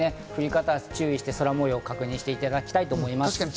降り方に注意して空模様を確認していただきたいと思います。